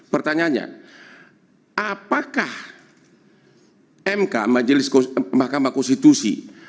pertanyaannya apakah mk majelis mahkamah konstitusi